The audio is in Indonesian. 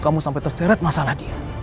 kinda betul dari gue sih